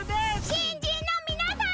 新人のみなさん。